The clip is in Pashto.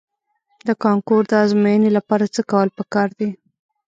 د کانکور د ازموینې لپاره څه کول په کار دي؟